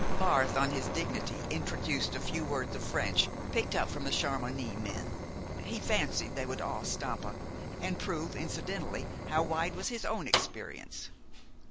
Barth, on his dignity, introduced a few words of French picked up from the Chamounix men. He fancied they would awe Stampa, and prove incidentally how wide was his own experience.